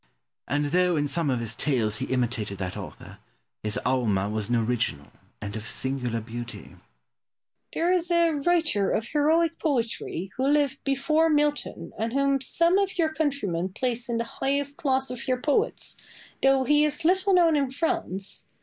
And, though in some of his tales he imitated that author, his "Alma" was an original, and of singular beauty. Boileau. There is a writer of heroic poetry, who lived before Milton, and whom some of your countrymen place in the highest class of your poets, though he is little known in France.